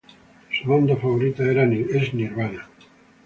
Su banda favorita es Nirvana.